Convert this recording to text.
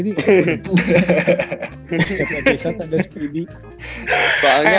biasa biasa tidak ada speedy